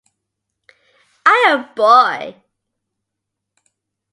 i am boy